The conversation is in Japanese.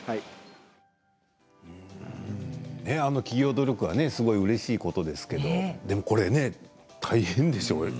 企業努力はすごくうれしいことですけれどでも、これ大変でしょう？